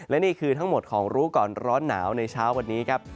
และนี่คือทั้งหมดของรู้ก่อนร้อนหนาวในเช้าวันนี้ครับ